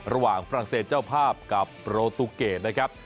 ระหว่างฝรั่งเศสเจ้าภาพกับโปรตุเกตนะครับ